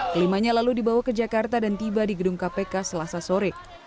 kelimanya lalu dibawa ke jakarta dan tiba di gedung kpk selasa sore